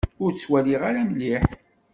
Ur ttwaliɣ ara mliḥ.